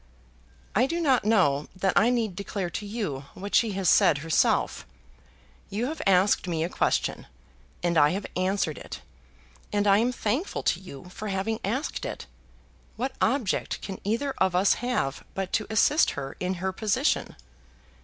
"I do not know that I need declare to you what she has said herself. You have asked me a question, and I have answered it, and I am thankful to you for having asked it. What object can either of us have but to assist her in her position?"